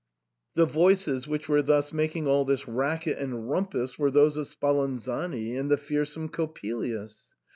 The voices which were thus making all this racket and rumpus were those of Spalanzani and the fearsome Coppelius.